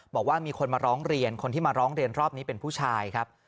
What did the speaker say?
บอกว่ามีคนมาร้องเรียนคนที่มาร้องเรียนรอบนี้เป็นผู้ชายครับ